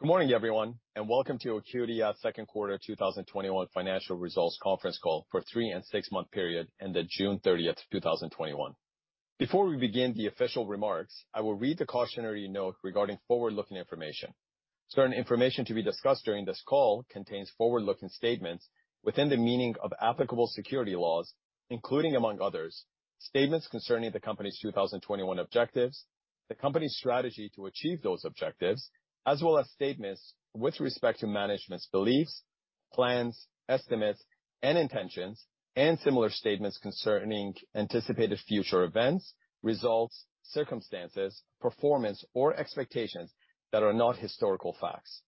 Good morning, everyone, and welcome to AcuityAds' Q2 2021 financial results conference call for three and six-month period ended June 30th, 2021. Before we begin the official remarks, I will read the cautionary note regarding forward-looking information. Certain information to be discussed during this call contains forward-looking statements within the meaning of applicable security laws, including among others, statements concerning the company's 2021 objectives, the company's strategy to achieve those objectives, as well as statements with respect to management's beliefs, plans, estimates, and intentions, and similar statements concerning anticipated future events, results, circumstances, performance, or expectations that are not historical facts.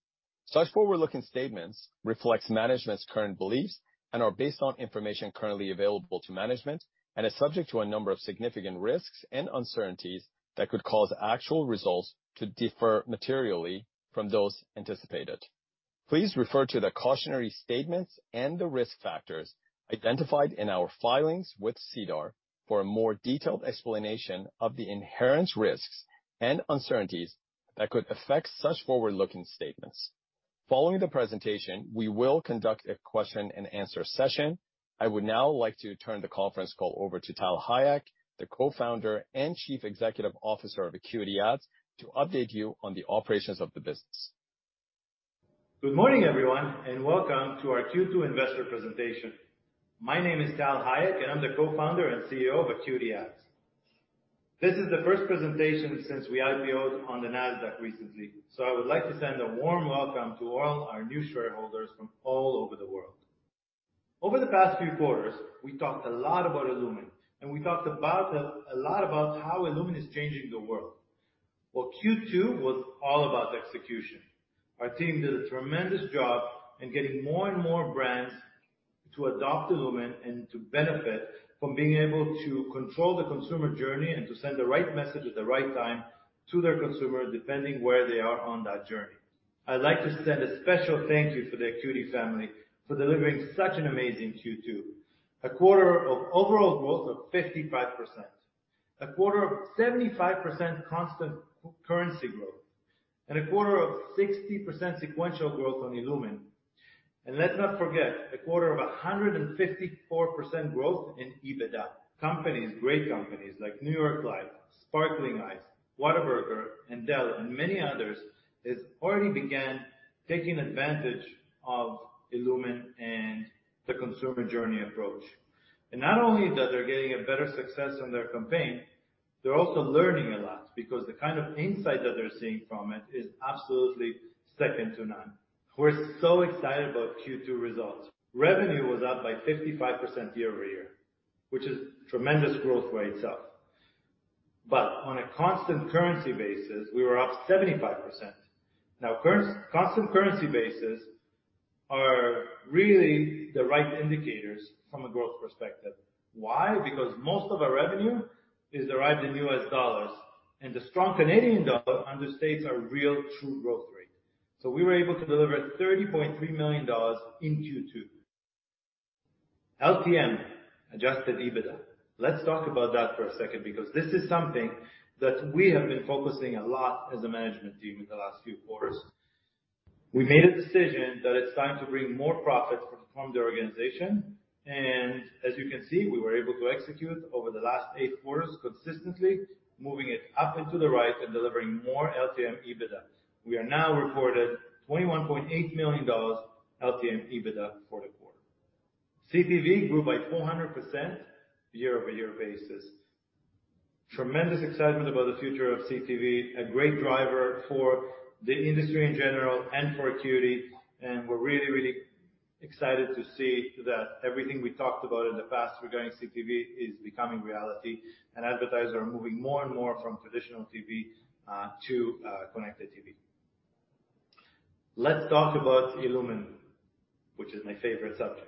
Such forward-looking statements reflect management's current beliefs and are based on information currently available to management and are subject to a number of significant risks and uncertainties that could cause actual results to differ materially from those anticipated. Please refer to the cautionary statements and the risk factors identified in our filings with SEDAR for a more detailed explanation of the inherent risks and uncertainties that could affect such forward-looking statements. Following the presentation, we will conduct a question and answer session. I would now like to turn the conference call over to Tal Hayek, the Co-Founder and Chief Executive Officer of AcuityAds, to update you on the operations of the business. Good morning, everyone, and welcome to our Q2 investor presentation. My name is Tal Hayek, and I'm the Co-Founder and Chief Executive Officer of AcuityAds. This is the first presentation since we IPO-ed on the Nasdaq recently. I would like to send a warm welcome to all our new shareholders from all over the world. Over the past few quarters, we talked a lot about illumin, and we talked a lot about how illumin is changing the world. Well, Q2 was all about execution. Our team did a tremendous job in getting more and more brands to adopt illumin and to benefit from being able to control the consumer journey and to send the right message at the right time to their consumer, depending where they are on that journey. I'd like to send a special thank you to the Acuity family for delivering such an amazing Q2. A quarter of overall growth of 55%, a quarter of 75% constant currency growth, a quarter of 60% sequential growth on illumin. Let's not forget, a quarter of 154% growth in EBITDA. Companies, great companies, like New York Life, Sparkling Ice, Whataburger, and Dell, and many others, have already begun taking advantage of illumin and the consumer journey approach. Not only are they getting a better success on their campaign, they're also learning a lot because the kind of insight that they're seeing from it is absolutely second to none. We're so excited about Q2 results. Revenue was up by 55% year-over-year, which is tremendous growth by itself. On a constant currency basis, we were up 75%. Constant currency basis is really the right indicator from a growth perspective. Why? Because most of our revenue is derived in U.S. dollars, and the strong Canadian dollar understates our real true growth rate. We were able to deliver 30.3 million dollars in Q2. LTM-adjusted EBITDA. Let's talk about that for a second because this is something that we have been focusing a lot as a management team in the last few quarters. We made a decision that it's time to bring more profits from the organization, and as you can see, we were able to execute over the last eight quarters consistently, moving it up and to the right and delivering more LTM EBITDA. We are now reported 21.8 million dollars LTM EBITDA for the quarter. CTV grew by 400% year-over-year basis. Tremendous excitement about the future of CTV, a great driver for the industry in general and for Acuity, and we're really excited to see that everything we talked about in the past regarding CTV is becoming reality. Advertisers are moving more and more from traditional TV to connected TV. Let's talk about illumin, which is my favorite subject.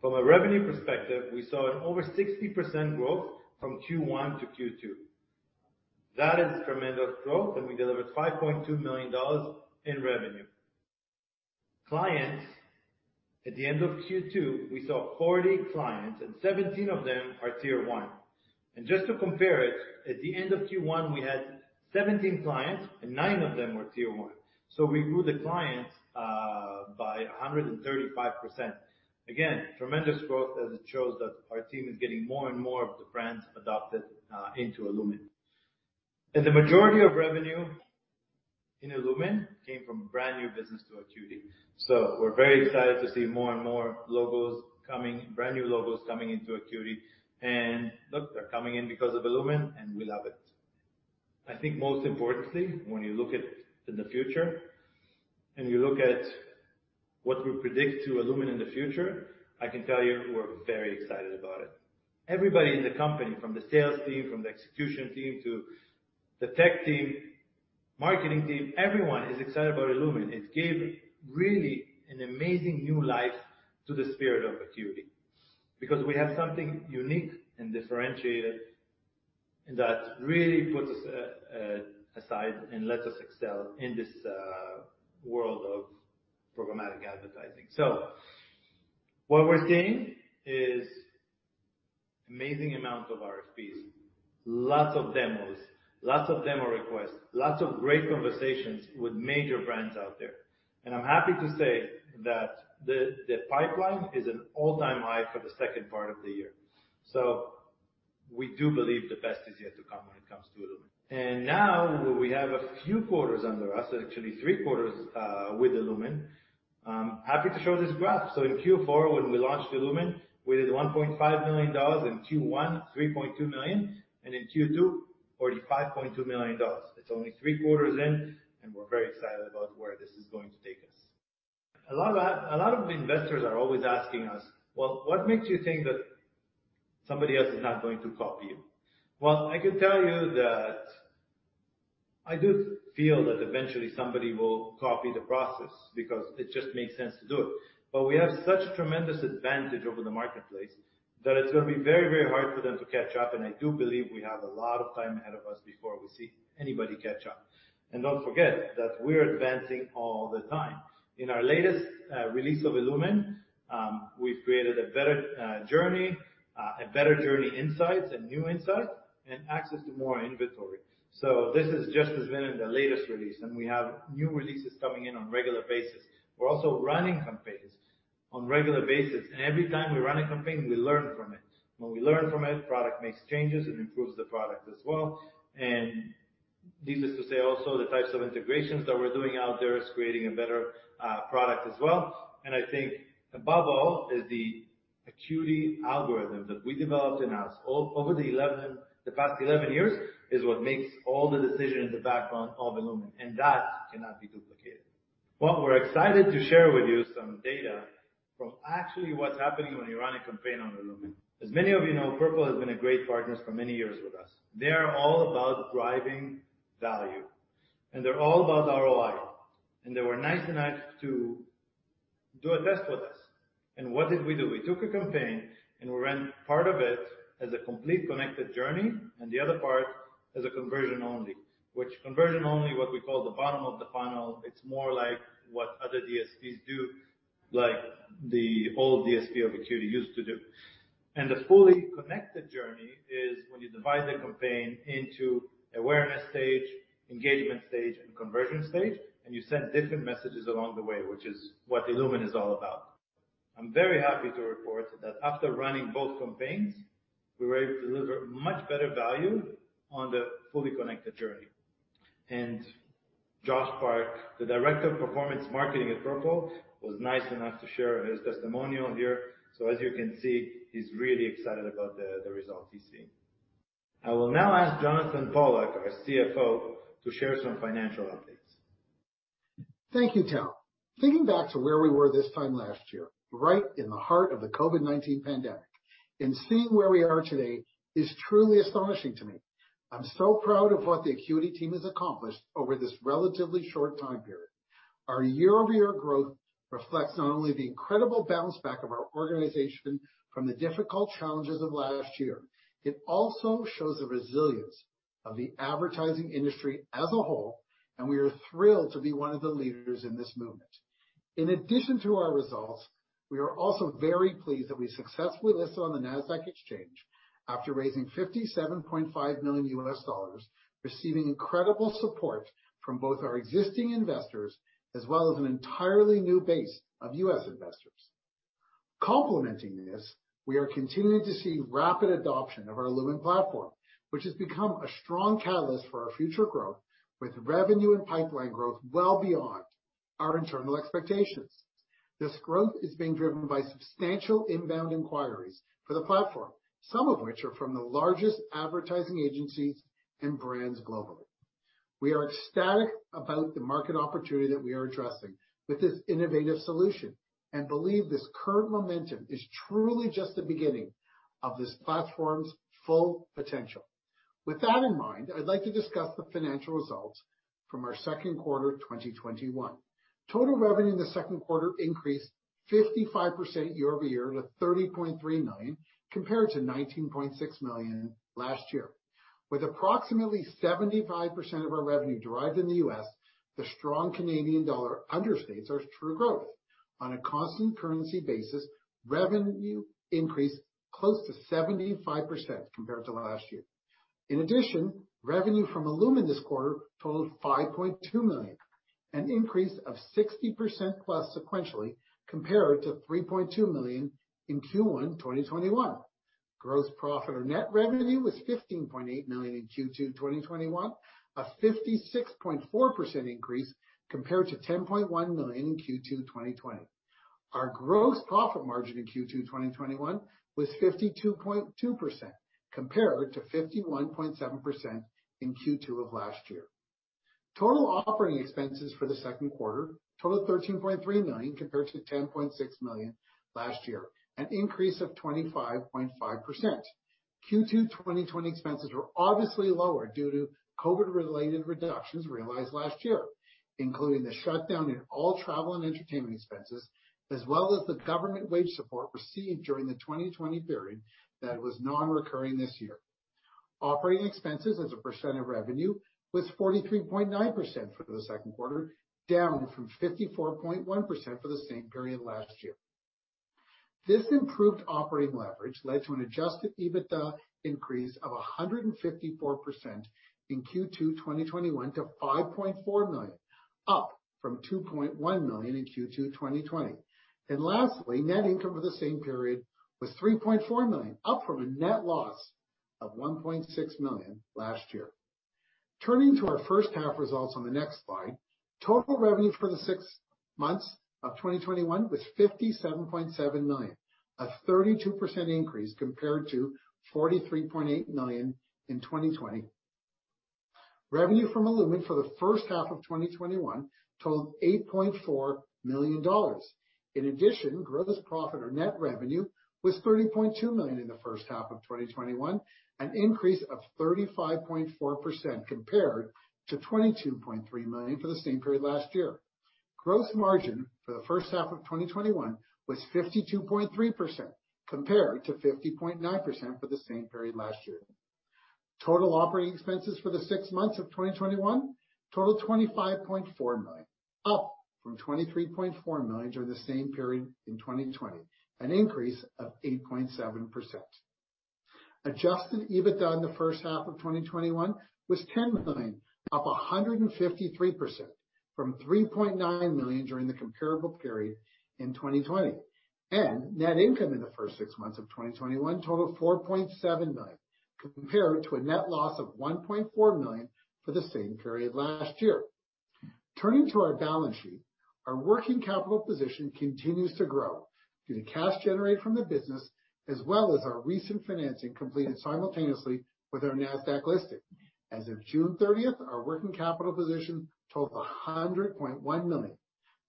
From a revenue perspective, we saw an over 60% growth from Q1 to Q2. That is tremendous growth. We delivered 5.2 million dollars in revenue. Clients. At the end of Q2, we saw 40 clients, and 17 of them are tier 1. Just to compare it, at the end of Q1, we had 17 clients, and nine of them were tier 1. We grew the clients by 135%. Again, tremendous growth as it shows that our team is getting more and more of the brands adopted into illumin. The majority of revenue in illumin came from brand-new business to Acuity. We're very excited to see more and more logos coming, brand-new logos coming into Acuity. Look, they're coming in because of illumin, and we love it. I think most importantly, when you look at in the future and you look at what we predict to illumin in the future, I can tell you we're very excited about it. Everybody in the company, from the sales team, from the execution team to the tech team, marketing team, everyone is excited about illumin. It gave really an amazing new life to the spirit of Acuity because we have something unique and differentiated and that really puts us aside and lets us excel in this world of programmatic advertising. What we're seeing is an amazing amount of RFPs, lots of demos, lots of demo requests, lots of great conversations with major brands out there. I'm happy to say that the pipeline is an all-time high for the second part of the year. We do believe the best is yet to come when it comes to illumin. Now that we have a few quarters under us, actually three quarters, with illumin, I'm happy to show this graph. In Q4, when we launched illumin, we did 1.5 million dollars, in Q1, 3.2 million, and in Q2, 45.2 million dollars. It's only three quarters in, and we're very excited about where this is going to take us. A lot of investors are always asking us, "Well, what makes you think that somebody else is not going to copy you?" I can tell you that I do feel that eventually somebody will copy the process because it just makes sense to do it. We have such tremendous advantage over the marketplace that it's going to be very hard for them to catch up, and I do believe we have a lot of time ahead of us before we see anybody catch up. Don't forget that we're advancing all the time. In our latest release of illumin, we've created a better journey, better journey insights and new insights, and access to more inventory. This has just been in the latest release, and we have new releases coming in on regular basis. We're also running campaigns on regular basis. Every time we run a campaign, we learn from it. When we learn from it, product makes changes and improves the product as well. Needless to say also, the types of integrations that we're doing out there is creating a better product as well. I think above all is the Acuity algorithm that we developed in-house over the past 11 years is what makes all the decisions in the background of illumin, and that cannot be duplicated. Well, we're excited to share with you some data from actually what's happening when you run a campaign on illumin. As many of you know, Purple has been a great partner for many years with us. They are all about driving value, and they're all about ROI. They were nice enough to do a test with us. What did we do? We took a campaign, and we ran part of it as a complete connected journey and the other part as a conversion only. Which conversion only, what we call the bottom of the funnel, it's more like what other DSPs do, like the old DSP of Acuity used to do. The fully connected journey is when you divide the campaign into awareness stage, engagement stage, and conversion stage, and you send different messages along the way, which is what illumin is all about. I'm very happy to report that after running both campaigns, we were able to deliver much better value on the fully connected journey. Josh Park, the Director of Performance Marketing at Purple, was nice enough to share his testimonial here. As you can see, he's really excited about the results he's seen. I will now ask Jonathan Pollack, our CFO, to share some financial updates. Thank you, Tal. Thinking back to where we were this time last year, right in the heart of the COVID-19 pandemic, and seeing where we are today is truly astonishing to me. I'm so proud of what the Acuity team has accomplished over this relatively short time period. Our year-over-year growth reflects not only the incredible bounce back of our organization from the difficult challenges of last year, it also shows the resilience of the advertising industry as a whole, and we are thrilled to be one of the leaders in this movement. In addition to our results, we are also very pleased that we successfully listed on the Nasdaq exchange after raising $57.5 million, receiving incredible support from both our existing investors as well as an entirely new base of U.S. investors. Complementing this, we are continuing to see rapid adoption of our illumin platform, which has become a strong catalyst for our future growth with revenue and pipeline growth well beyond our internal expectations. This growth is being driven by substantial inbound inquiries for the platform, some of which are from the largest advertising agencies and brands globally. We are ecstatic about the market opportunity that we are addressing with this innovative solution and believe this current momentum is truly just the beginning of this platform's full potential. With that in mind, I'd like to discuss the financial results from our Q2 2021. Total revenue in the Q2 increased 55% year-over-year to 30.3 million compared to 19.6 million last year. With approximately 75% of our revenue derived in the U.S., the strong Canadian dollar understates our true growth. On a constant currency basis, revenue increased close to 75% compared to last year. In addition, revenue from illumin this quarter totaled 5.2 million, an increase of 60%+ sequentially compared to 3.2 million in Q1 2021. Gross profit or net revenue was 15.8 million in Q2 2021, a 56.4% increase compared to 10.1 million in Q2 2020. Our gross profit margin in Q2 2021 was 52.2% compared to 51.7% in Q2 of last year. Total operating expenses for the Q2 totaled 13.3 million compared to 10.6 million last year, an increase of 25.5%. Q2 2020 expenses were obviously lower due to COVID-related reductions realized last year, including the shutdown in all travel and entertainment expenses, as well as the government wage support received during the 2020 period that was non-recurring this year. Operating expenses as a percentage of revenue was 43.9% for the Q2, down from 54.1% for the same period last year. This improved operating leverage led to an adjusted EBITDA increase of 154% in Q2 2021 to 5.4 million, up from 2.1 million in Q2 2020. Lastly, net income for the same period was 3.4 million, up from a net loss of 1.6 million last year. Turning to our H1 results on the next slide. Total revenue for the six months of 2021 was 57.7 million, a 32% increase compared to 43.8 million in 2020. Revenue from illumin for the H1 of 2021 totaled 8.4 million dollars. In addition, gross profit or net revenue was 30.2 million in the H1 of 2021, an increase of 35.4% compared to 22.3 million for the same period last year. Gross margin for the first half of 2021 was 52.3% compared to 50.9% for the same period last year. Total operating expenses for the six months of 2021 totaled 25.4 million, up from 23.4 million during the same period in 2020, an increase of 8.7%. Adjusted EBITDA in the first half of 2021 was 10 million, up 153% from 3.9 million during the comparable period in 2020. Net income in the first six months of 2021 totaled 4.7 million, compared to a net loss of 1.4 million for the same period last year. Turning to our balance sheet, our working capital position continues to grow due to cash generated from the business, as well as our recent financing completed simultaneously with our Nasdaq listing. As of June 30th, our working capital position totaled 100.1 million,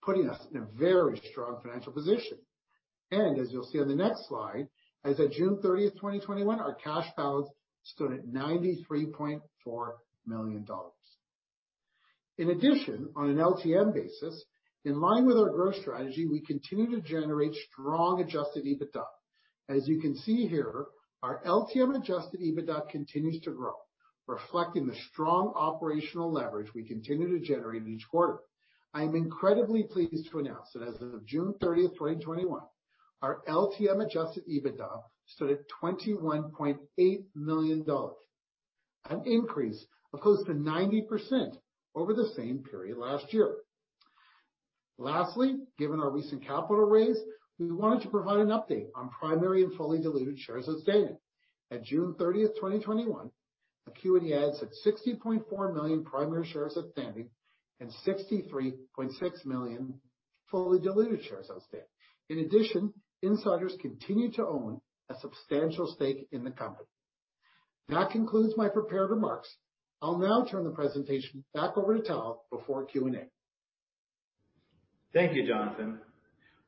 putting us in a very strong financial position. As you'll see on the next slide, as of June 30th, 2021, our cash balance stood at 93.4 million dollars. In addition, on an LTM basis, in line with our growth strategy, we continue to generate strong adjusted EBITDA. As you can see here, our LTM adjusted EBITDA continues to grow, reflecting the strong operational leverage we continue to generate each quarter. I am incredibly pleased to announce that as of June 30th, 2021, our LTM adjusted EBITDA stood at 21.8 million dollars, an increase of close to 90% over the same period last year. Lastly, given our recent capital raise, we wanted to provide an update on primary and fully diluted shares outstanding. At June 30th, 2021, AcuityAds had 60.4 million primary shares outstanding and 63.6 million fully diluted shares outstanding. In addition, insiders continue to own a substantial stake in the company. That concludes my prepared remarks. I'll now turn the presentation back over to Tal before Q&A. Thank you, Jonathan.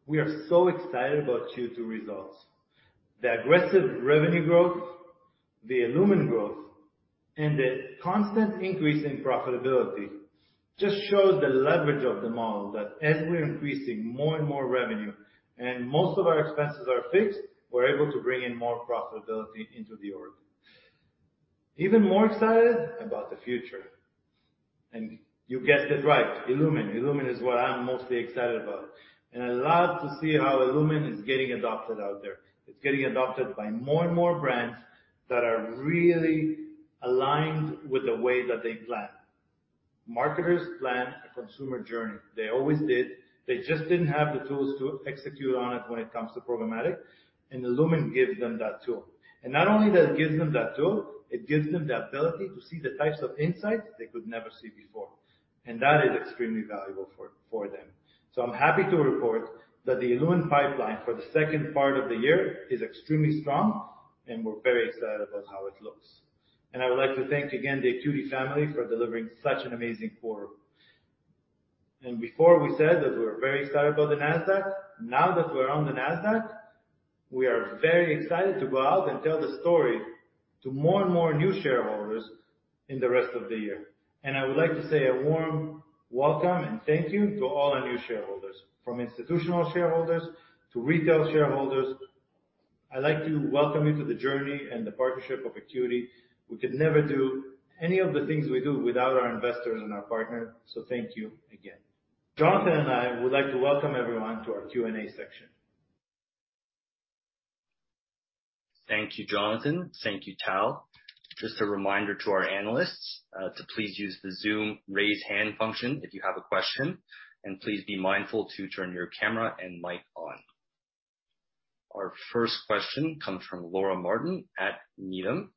We are so excited about Q2 results. The aggressive revenue growth, the illumin growth, and the constant increase in profitability just shows the leverage of the model, that as we're increasing more and more revenue and most of our expenses are fixed, we're able to bring in more profitability into the org. Even more excited about the future, you guessed it right, illumin. Illumin is what I'm mostly excited about. I love to see how illumin is getting adopted out there. It's getting adopted by more and more brands that are really aligned with the way that they plan. Marketers plan a consumer journey. They always did. They just didn't have the tools to execute on it when it comes to programmatic, illumin gives them that tool. Not only does it give them that tool, it gives them the ability to see the types of insights they could never see before, and that is extremely valuable for them. I'm happy to report that the illumin pipeline for the second part of the year is extremely strong, and we're very excited about how it looks. I would like to thank again the Acuity family for delivering such an amazing quarter. Before we said that we were very excited about the Nasdaq. Now that we're on the Nasdaq, we are very excited to go out and tell the story to more and more new shareholders in the rest of the year. I would like to say a warm welcome and thank you to all our new shareholders, from institutional shareholders to retail shareholders. I'd like to welcome you to the journey and the partnership of Acuity. We could never do any of the things we do without our investors and our partners, so thank you again. Jonathan and I would like to welcome everyone to our Q&A section. Thank you, Jonathan. Thank you, Tal. Just a reminder to our analysts, to please use the Zoom raise hand function if you have a question, and please be mindful to turn your camera and mic on. Our first question comes from Laura Martin at Needham.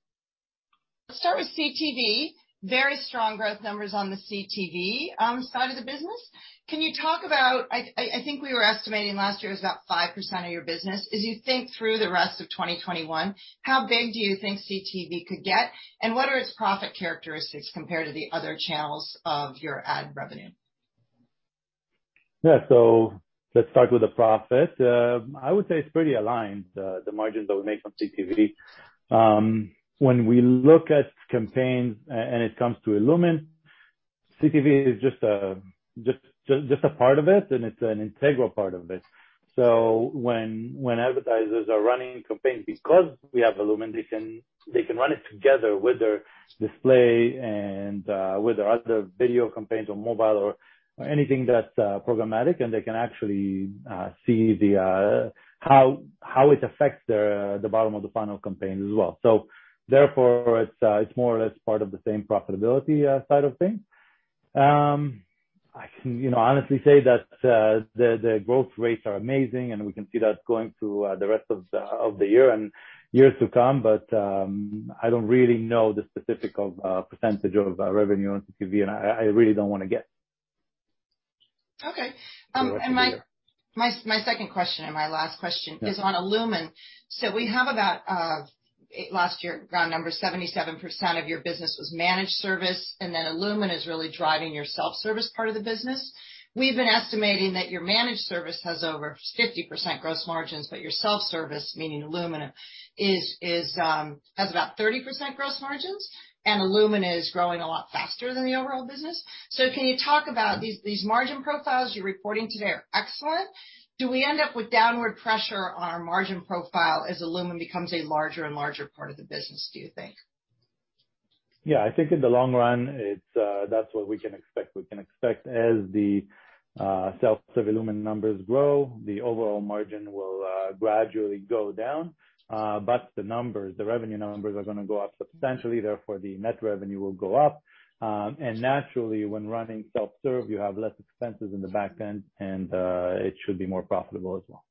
Start with CTV. Very strong growth numbers on the CTV side of the business. I think we were estimating last year it was about 5% of your business. As you think through the rest of 2021, how big do you think CTV could get, and what are its profit characteristics compared to the other channels of your ad revenue? Yeah. Let's start with the profit. I would say it's pretty aligned, the margins that we make from CTV, when we look at campaigns and it comes to illumin CTV is just a part of it, and it's an integral part of it. When advertisers are running campaigns, because we have illumin, they can run it together with their display and with their other video campaigns on mobile or anything that's programmatic, and they can actually see how it affects the bottom of the funnel campaigns as well. Therefore, it's more or less part of the same profitability side of things. I can honestly say that the growth rates are amazing, and we can see that going through the rest of the year and years to come. I don't really know the specific percentage of revenue on CTV, and I really don't want to guess. Okay. My second question and my last question is on illumin. We have about, last year, round numbers, 77% of your business was managed service, and then illumin is really driving your self-service part of the business. We've been estimating that your managed service has over 50% gross margins, but your self-service, meaning illumin, has about 30% gross margins, and illumin is growing a lot faster than the overall business. Can you talk about these margin profiles you're reporting today are excellent. Do we end up with downward pressure on our margin profile as illumin becomes a larger and larger part of the business, do you think? Yeah. I think in the long run, that's what we can expect. We can expect as the self-serve illumin numbers grow, the overall margin will gradually go down. The numbers, the revenue numbers are going to go up substantially, therefore, the net revenue will go up. Naturally, when running self-serve, you have less expenses in the back end, and it should be more profitable as well.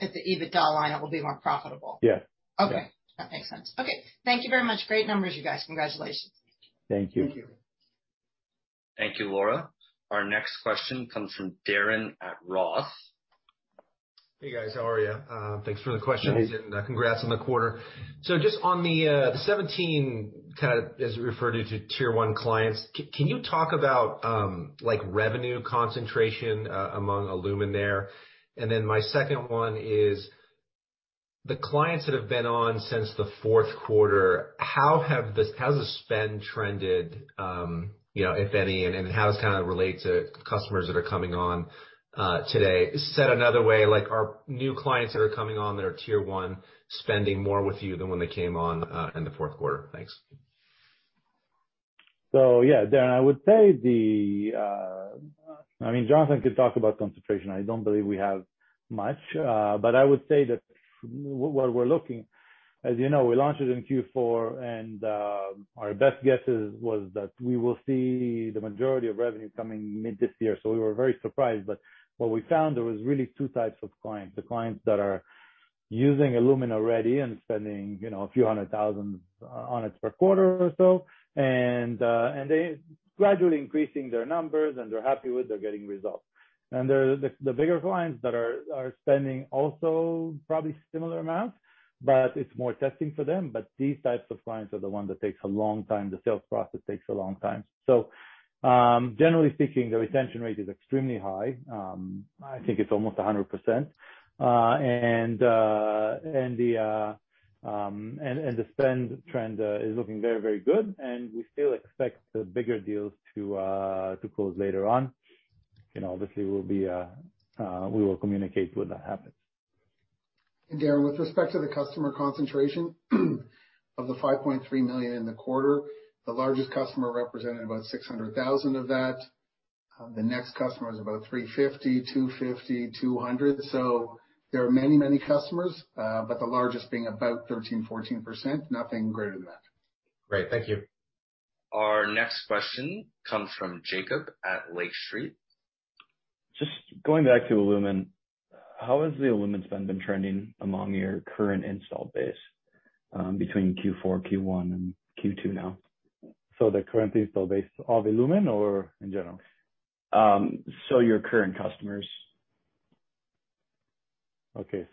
At the EBITDA line, it will be more profitable? Yeah. Okay. That makes sense. Okay. Thank you very much. Great numbers, you guys. Congratulations. Thank you. Thank you. Thank you, Laura. Our next question comes from Darren at Roth. Hey, guys. How are you? Thanks for the questions. Hey. Congrats on the quarter. Just on the 17, kind of as you referred to tier 1 clients, can you talk about revenue concentration among illumin there? Then my second 1 is the clients that have been on since the Q4, how has the spend trended, if any, and how does it kind of relate to customers that are coming on today? Said another way, like are new clients that are coming on that are tier 1 spending more with you than when they came on in the Q4? Thanks. Yeah, Darren, I would say the, Jonathan could talk about concentration. I don't believe we have much. I would say that what we're looking, as you know, we launched it in Q4, and our best guess was that we will see the majority of revenue coming mid this year. We were very surprised. What we found, there was really two types of clients. The clients that are using illumin already and spending a few hundred thousand on it per quarter or so, and they gradually increasing their numbers, and they're happy with, they're getting results. The bigger clients that are spending also probably similar amounts, but it's more testing for them. These types of clients are the ones that takes a long time. The sales process takes a long time. Generally speaking, the retention rate is extremely high. I think it's almost 100%. The spend trend is looking very, very good, and we still expect the bigger deals to close later on. Obviously, we will communicate when that happens. Darren, with respect to the customer concentration of the 5.3 million in the quarter, the largest customer represented about 600,000 of that. The next customer is about 350,000, 250,000, 200,000. There are many, many customers, but the largest being about 13%, 14%, nothing greater than that. Great. Thank you. Our next question comes from Jacob at Lake Street. Just going back to illumin. How has the illumin spend been trending among your current installed base, between Q4, Q1, and Q2 now? The current install base of illumin or in general? Your current customers. Okay.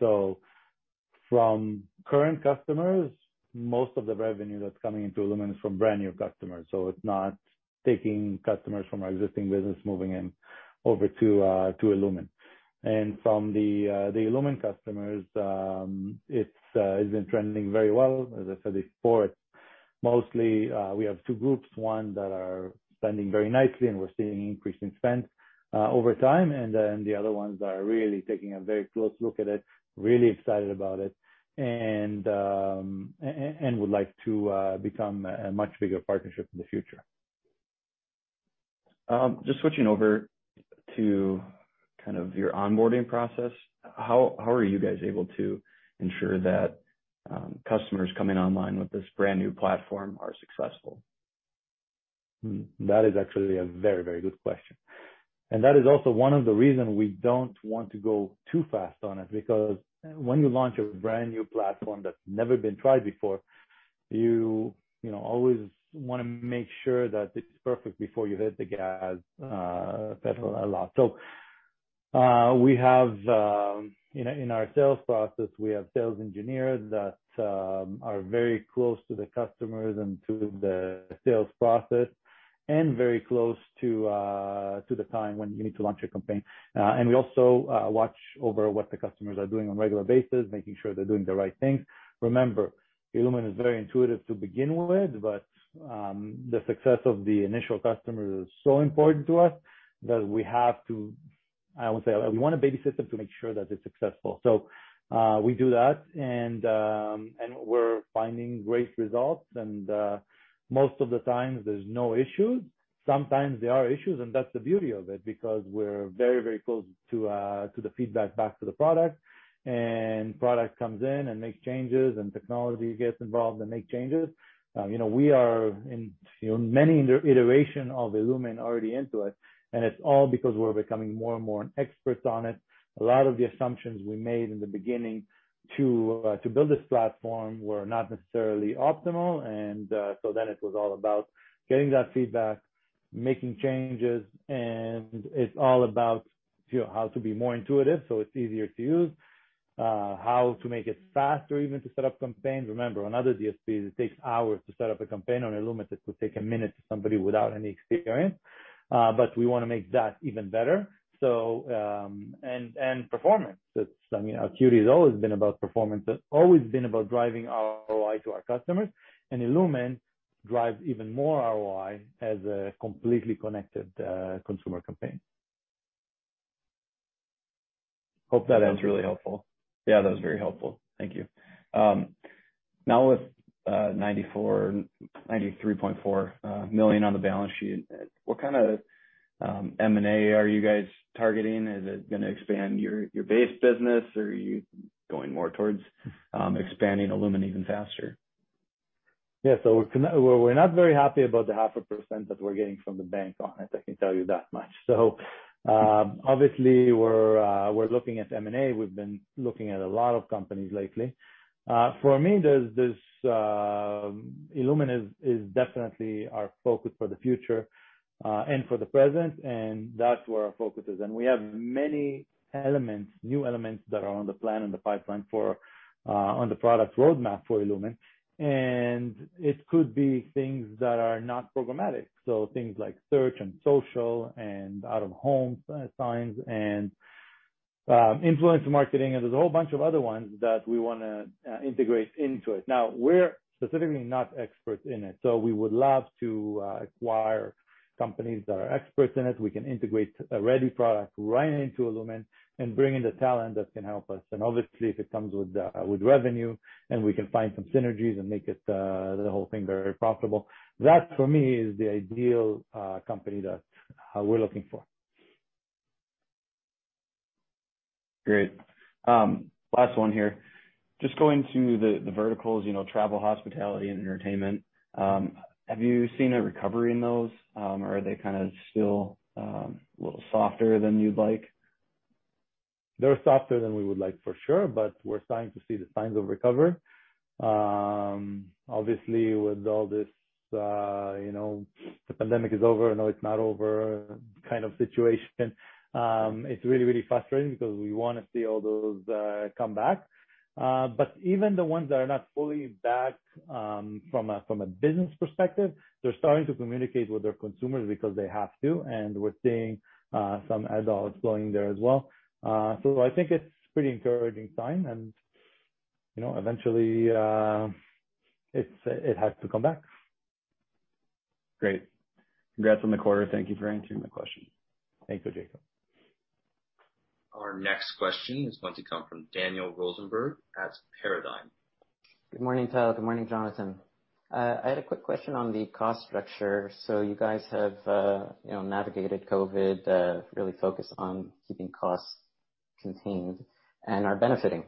From current customers, most of the revenue that's coming into illumin is from brand-new customers. It's not taking customers from our existing business moving over to illumin. From the illumin customers, it's been trending very well. As I said before, mostly, we have two groups, one that are spending very nicely, and we're seeing an increase in spend over time, and then the other ones are really taking a very close look at it, really excited about it, and would like to become a much bigger partnership in the future. Just switching over to kind of your onboarding process. How are you guys able to ensure that customers coming online with this brand-new platform are successful? That is actually a very, very good question. That is also one of the reasons we don't want to go too fast on it, because when you launch a brand-new platform that's never been tried before, you always want to make sure that it's perfect before you hit the gas pedal a lot. In our sales process, we have sales engineers that are very close to the customers and to the sales process and very close to the time when you need to launch a campaign. We also watch over what the customers are doing on a regular basis, making sure they're doing the right things. Remember, illumin is very intuitive to begin with, but the success of the initial customer is so important to us that I would say we want to babysit them to make sure that they're successful. We do that, and we're finding great results, and most of the time there's no issues. Sometimes there are issues, and that's the beauty of it, because we're very close to the feedback back to the product. Product comes in and makes changes, and technology gets involved and make changes. We are in many iterations of illumin already into it, and it's all because we're becoming more and more an experts on it. A lot of the assumptions we made in the beginning to build this platform were not necessarily optimal. It was all about getting that feedback, making changes, and it's all about how to be more intuitive so it's easier to use, how to make it faster even to set up campaigns. Remember, on other DSPs, it takes hours to set up a campaign. On illumin, it could take a minute to somebody without any experience. We want to make that even better. Performance. I mean Acuity has always been about performance. It's always been about driving ROI to our customers, and illumin drives even more ROI as a completely connected consumer campaign. Hope that answers. That's really helpful. Yeah, that was very helpful. Thank you. With 93.4 million on the balance sheet, what kind of M&A are you guys targeting? Is it going to expand your base business, or are you going more towards expanding illumin even faster? Yeah. We're not very happy about the half a percent that we're getting from the bank on it, I can tell you that much. Obviously, we're looking at M&A. We've been looking at a lot of companies lately. For me, illumin is definitely our focus for the future and for the present, that's where our focus is. We have many elements, new elements that are on the plan and the pipeline on the product roadmap for illumin, it could be things that are not programmatic. Things like search and social and out-of-home signs and influencer marketing, there's a whole bunch of other ones that we want to integrate into it. Now, we're specifically not experts in it, we would love to acquire companies that are experts in it. We can integrate a ready product right into illumin and bring in the talent that can help us. Obviously, if it comes with revenue and we can find some synergies and make the whole thing very profitable. That, for me, is the ideal company that we are looking for. Great. Last one here. Going to the verticals, travel, hospitality and entertainment, have you seen a recovery in those? Are they kind of still a little softer than you'd like? They're softer than we would like, for sure. We're starting to see the signs of recovery. Obviously, with all this, the pandemic is over, no, it's not over, kind of situation. It's really frustrating because we want to see all those come back. Even the ones that are not fully back from a business perspective, they're starting to communicate with their consumers because they have to, and we're seeing some ad dollars flowing there as well. I think it's pretty encouraging sign, and eventually, it has to come back. Great. Congrats on the quarter. Thank you for answering my question. Thank you, Jacob. Our next question is going to come from Daniel Rosenberg at Paradigm. Good morning, Tal. Good morning, Jonathan. I had a quick question on the cost structure. You guys have navigated COVID, really focused on keeping costs contained and are benefiting.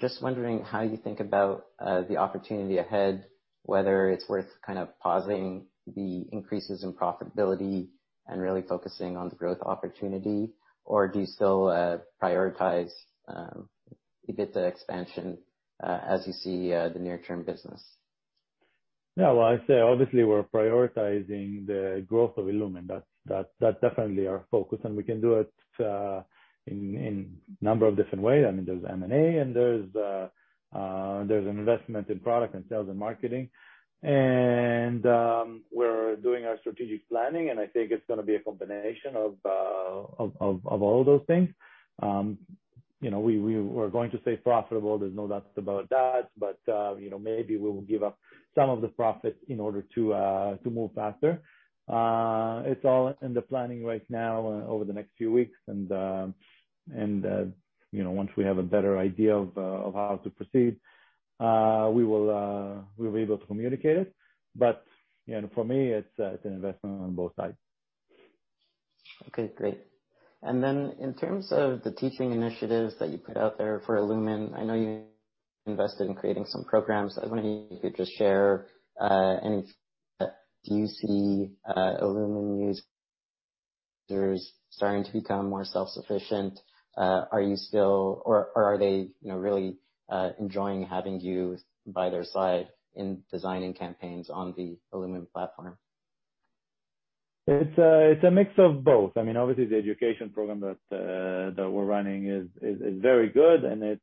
Just wondering how you think about the opportunity ahead, whether it's worth kind of pausing the increases in profitability and really focusing on the growth opportunity, or do you still prioritize a bit of expansion as you see the near-term business? Well, I'd say obviously we're prioritizing the growth of illumin. That's definitely our focus, and we can do it in number of different ways. I mean, there's M&A, and there's investment in product and sales and marketing. We're doing our strategic planning, and I think it's going to be a combination of all those things. We're going to stay profitable, there's no doubts about that. Maybe we will give up some of the profits in order to move faster. It's all in the planning right now over the next few weeks, and once we have a better idea of how to proceed, we'll be able to communicate it. For me, it's an investment on both sides. Okay, great. In terms of the teaching initiatives that you put out there for illumin, I know you invested in creating some programs. I was wondering if you could just share, do you see illumin users starting to become more self-sufficient? Are they really enjoying having you by their side in designing campaigns on the illumin platform? It's a mix of both. I mean, obviously, the education program that we're running is very good, and it's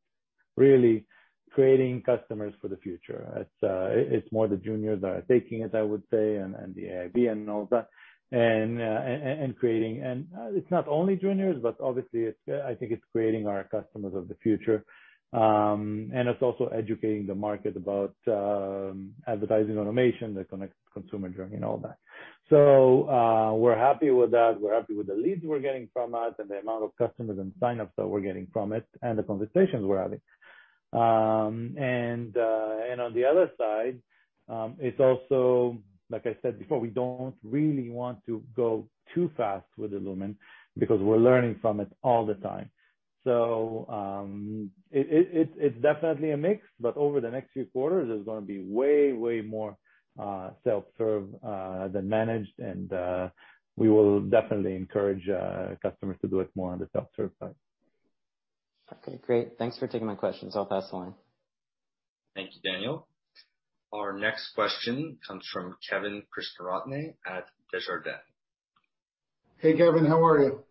really creating customers for the future. It's more the juniors that are taking it, I would say, and the IAB and all that. It's not only juniors, but obviously, I think it's creating our customers of the future. It's also educating the market about advertising automation, the connected consumer journey and all that. So we're happy with that. We're happy with the leads we're getting from it, and the amount of customers and sign-ups that we're getting from it, and the conversations we're having. On the other side, it's also, like I said before, we don't really want to go too fast with illumin because we're learning from it all the time. It's definitely a mix. Over the next few quarters, it's going to be way more self-serve than managed, and we will definitely encourage customers to do it more on the self-serve side. Okay, great. Thanks for taking my questions. I'll pass the line. Thank you, Daniel. Our next question comes from Kevin Krishnaratne at Desjardins. Hey, Kevin. How are you?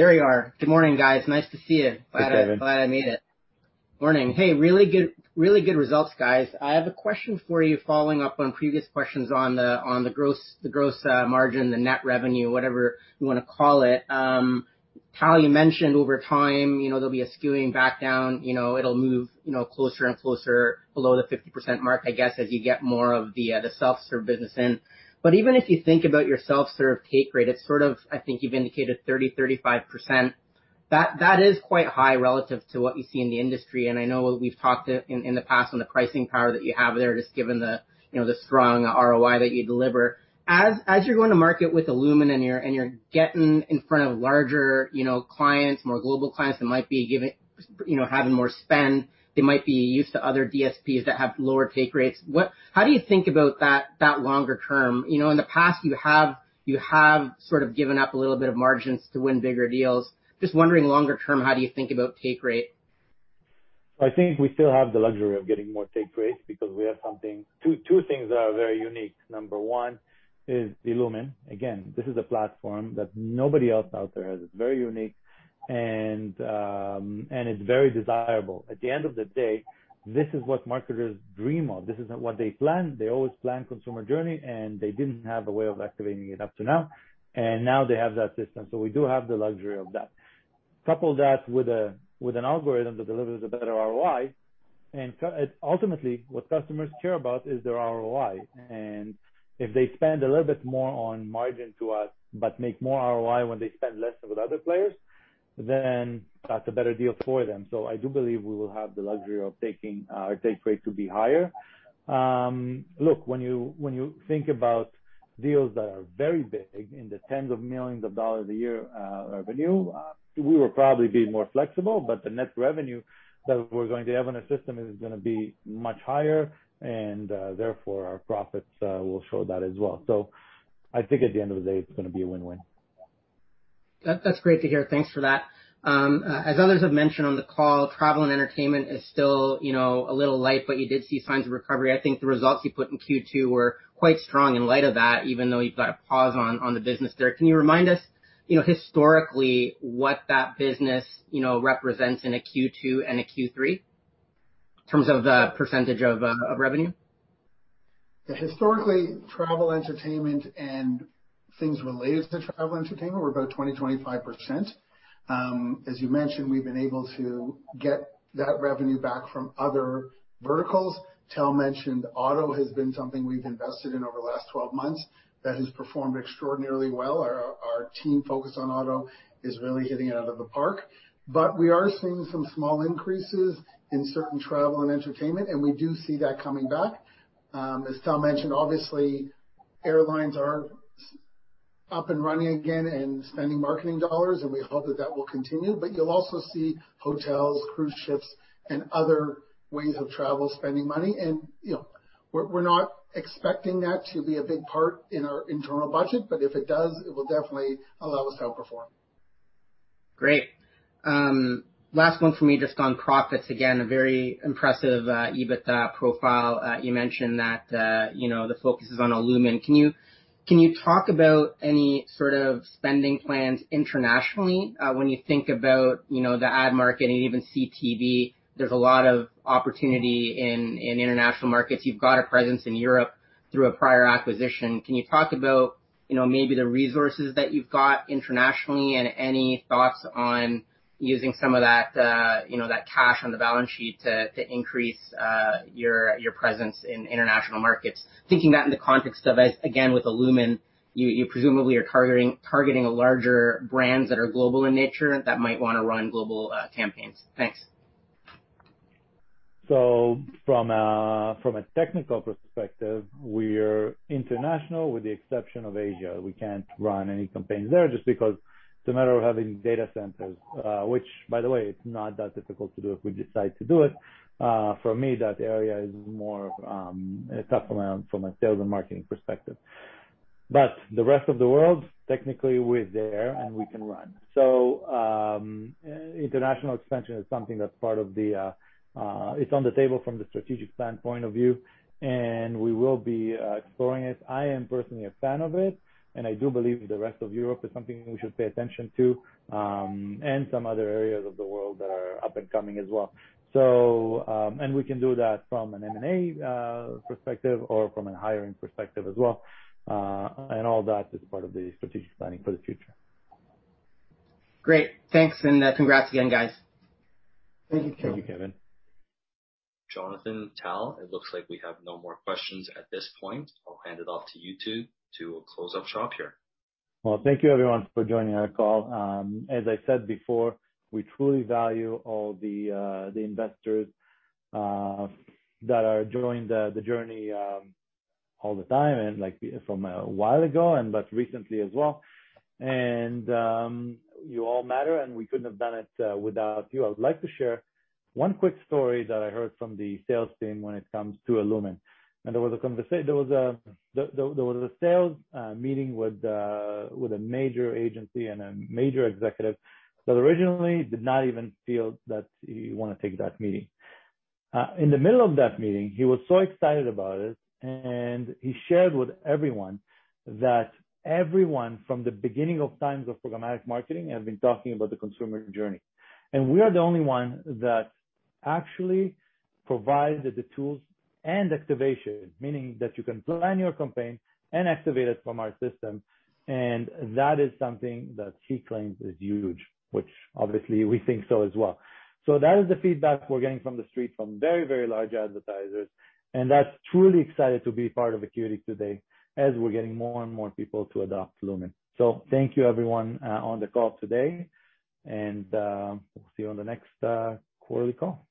There you are. Good morning, guys. Nice to see you. Hey, Kevin. Glad I made it. Morning. Hey, really good results, guys. I have a question for you following up on previous questions on the gross margin, the net revenue, whatever you want to call it. Tal, you mentioned over time, there'll be a skewing back down. It'll move closer and closer below the 50% mark, I guess, as you get more of the self-serve business in. Even if you think about your self-serve take rate, it's sort of, I think you've indicated 30%, 35%. That is quite high relative to what you see in the industry. I know we've talked in the past on the pricing power that you have there, just given the strong ROI that you deliver. As you're going to market with illumin and you're getting in front of larger clients, more global clients that might be having more spend, they might be used to other DSPs that have lower take rates. How do you think about that longer term? In the past, you have sort of given up a little bit of margins to win bigger deals. Just wondering longer term, how do you think about take rate? I think we still have the luxury of getting more take rates because we have two things that are very unique. Number one is illumin. Again, this is a platform that nobody else out there has. It's very unique and it's very desirable. At the end of the day, this is what marketers dream of. This is what they plan. They always plan consumer journey, and they didn't have a way of activating it up to now, and now they have that system. We do have the luxury of that. Couple that with an algorithm that delivers a better ROI, and ultimately, what customers care about is their ROI. If they spend a little bit more on margin to us but make more ROI when they spend less with other players, then that's a better deal for them. I do believe we will have the luxury of our take rate to be higher. When you think about deals that are very big, in the tens of millions of dollars a year revenue, we will probably be more flexible, but the net revenue that we're going to have in our system is going to be much higher and therefore our profits will show that as well. I think at the end of the day, it's going to be a win-win. That's great to hear. Thanks for that. As others have mentioned on the call, travel and entertainment is still a little light, but you did see signs of recovery. I think the results you put in Q2 were quite strong in light of that, even though you've got a pause on the business there. Can you remind us historically what that business represents in a Q2 and a Q3 in terms of the percentage of revenue? Historically, travel, entertainment, and things related to travel and entertainment were about 20%, 25%. As you mentioned, we've been able to get that revenue back from other verticals. Tal mentioned auto has been something we've invested in over the last 12 months that has performed extraordinarily well. Our team focused on auto is really hitting it out of the park. We are seeing some small increases in certain travel and entertainment, and we do see that coming back. As Tal mentioned, obviously, airlines are up and running again and spending marketing dollars, and we hope that that will continue. You'll also see hotels, cruise ships, and other ways of travel spending money. We're not expecting that to be a big part in our internal budget, but if it does, it will definitely allow us to outperform. Great. Last one from me, just on profits. Again, a very impressive EBITDA profile. You mentioned that the focus is on illumin. Can you talk about any sort of spending plans internationally? When you think about the ad market and even CTV, there's a lot of opportunity in international markets. You've got a presence in Europe through a prior acquisition. Can you talk about maybe the resources that you've got internationally and any thoughts on using some of that cash on the balance sheet to increase your presence in international markets? Thinking that in the context of, again, with illumin, you presumably are targeting larger brands that are global in nature that might want to run global campaigns. Thanks. From a technical perspective, we're international with the exception of Asia. We can't run any campaigns there just because it's a matter of having data centers which, by the way, it's not that difficult to do if we decide to do it. For me, that area is more, it's tough from a sales and marketing perspective. The rest of the world, technically we're there and we can run. International expansion is something that's on the table from the strategic stand point of view, and we will be exploring it. I am personally a fan of it, and I do believe the rest of Europe is something we should pay attention to, and some other areas of the world that are up and coming as well. We can do that from an M&A perspective or from a hiring perspective as well. All that is part of the strategic planning for the future. Great. Thanks. Congrats again, guys. Thank you. Thank you, Kevin. Jonathan, Tal, it looks like we have no more questions at this point. I will hand it off to you two to close up shop here. Well, thank you everyone for joining our call. As I said before, we truly value all the investors that are joining the journey all the time, and from a while ago but recently as well. You all matter, and we couldn't have done it without you. I would like to share one quick story that I heard from the sales team when it comes to illumin. There was a sales meeting with a major agency and a major executive that originally did not even feel that he want to take that meeting. In the middle of that meeting, he was so excited about it, and he shared with everyone that everyone from the beginning of times of programmatic marketing have been talking about the consumer journey. We are the only one that actually provided the tools and activation, meaning that you can plan your campaign and activate it from our system, and that is something that he claims is huge, which obviously we think so as well. That is the feedback we're getting from the street from very, very large advertisers, and that's truly exciting to be part of Acuity today as we're getting more and more people to adopt illumin. Thank you everyone on the call today, and we'll see you on the next quarterly call.